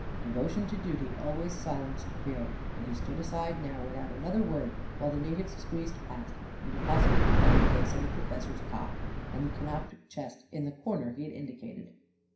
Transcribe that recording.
Devotion to duty always silenced Creel, and he stood aside now without another word while the na tives squeezed past and deposited the mummy case on the professor's cot, and the canopic chest in the corner he had indicated.